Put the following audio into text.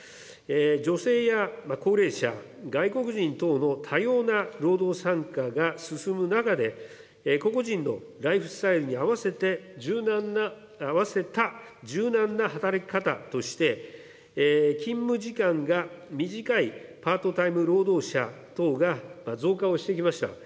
女性や高齢者、外国人等の多様な労働参加が進む中で、個々人のライフスタイルに合わせた柔軟な働き方として、勤務時間が短いパートタイム労働者等が増加をしてきました。